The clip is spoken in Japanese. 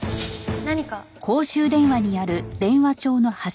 何か？